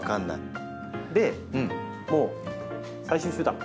でもう最終手段。